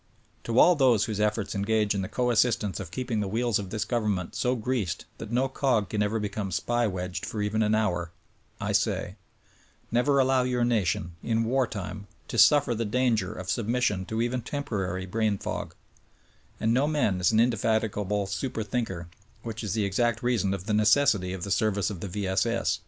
To all those whose efforts engage in the co assistance of keeping the wheels of this government so greased that no cog can ever become SPY Vv^edged for even one hour, I say : Never allow your nation — in war time — to suffer the danger of submission to even temporary brain fag — and no men is an indefatigable super thinker which is the exact reason of the necessity of the service of the V. S. S.